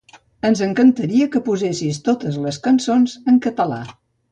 Ens encantaria que posessis totes les cançons en català.